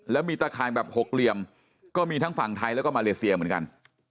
แล้วมีตะข่ายแบบหกเหลี่ยมก็มีทั้งฝั่งไทยแล้วก็มาเลเซียเหมือนกัน